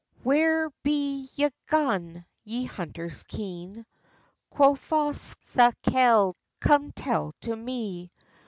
"Where be ye gaun, ye hunters keen?" Quo fause Sakelde; "come tell to me!"